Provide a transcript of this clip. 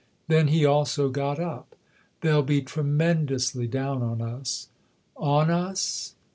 Then he also got up. "They'll be tremendously down on us." " On ' us